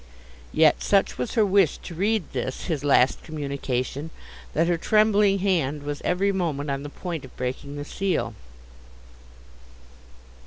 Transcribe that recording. Yet such was her wish to read this his last communication, that her trembling hand was every moment on the point of breaking the seal.